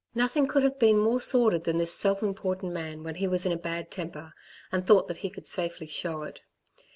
Nothing could have been more sordid than this self important man when he was in a bad temper and thought that he could safely show it.